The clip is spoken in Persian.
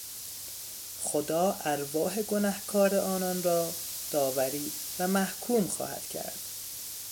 خدا ارواح گنهکار آنان را داوری و محکوم خواهد کرد.